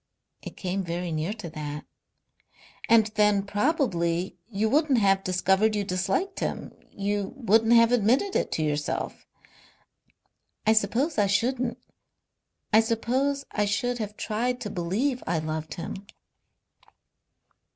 "It came very near to that." "And then probably you wouldn't have discovered you disliked him. You wouldn't have admitted it to yourself." "I suppose I shouldn't. I suppose I should have tried to believe I loved him."